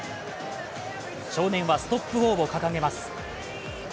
少年は「ストップ・ウォー」を掲げます。